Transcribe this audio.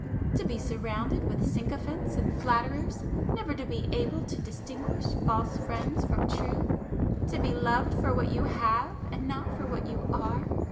To be surrounded with sycophants and flatterers,—never to be able to distinguish false friends from true,—to be loved for what you have and not for what you are!